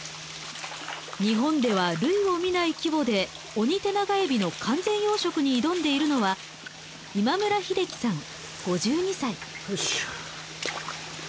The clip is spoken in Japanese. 日本では類をみない規模でオニテナガエビの完全養殖に挑んでいるのは今村秀樹さん５２歳。